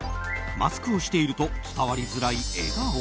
マスクをしていると伝わりづらい笑顔。